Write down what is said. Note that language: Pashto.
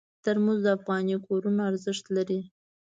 ترموز د افغاني کورونو ارزښت لري.